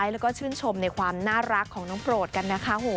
ไม่ได้กินข้าวไม่ได้กินน้ำเลยนะครับ